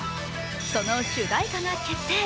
その主題歌が決定！